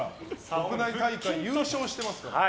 国内大会優勝していますから。